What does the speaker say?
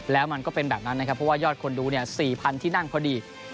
แล้วมันก็เป็นแบบนั้นนะครับเพราะว่ายอดคนดู๔๐๐๐ที่นั่งพอดี